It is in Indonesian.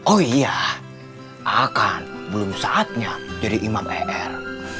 oh iya akan belum saatnya jadi imam er